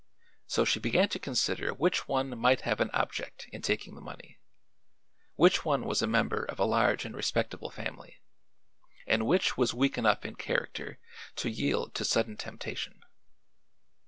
So she began to consider which one might have an object in taking the money, which one was a member of a large and respectable family, and which was weak enough in character to yield to sudden temptation.